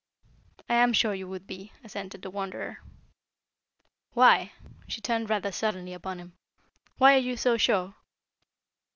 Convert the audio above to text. "I am sure you would be," assented the Wanderer. "Why?" She turned rather suddenly upon him. "Why are you sure?"